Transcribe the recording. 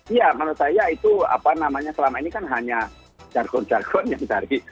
iya menurut saya itu apa namanya selama ini kan hanya jargon jargon yang dari